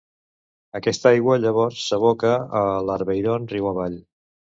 Aquesta aigua llavors s'aboca a l'Arveyron riu avall.